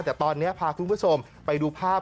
แต่ตอนนี้พาคุณผู้ชมไปดูภาพ